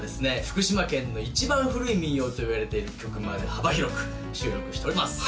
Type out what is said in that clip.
福島県の一番古い民謡といわれている曲まで幅広く収録しております